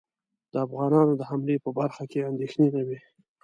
د افغانانو د حملې په برخه کې اندېښنې نه وې.